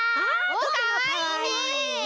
かわいいね！